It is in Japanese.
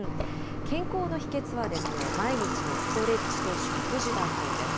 健康の秘けつは毎日のストレッチと食事だそうです。